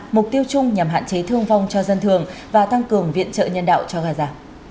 mục tiêu chung nhằm hạn chế thương vong cho dân thường và tăng cường viện trợ nhân đạo cho gaza